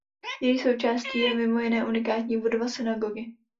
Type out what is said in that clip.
Její součástí je mimo jiné unikátní budova synagogy.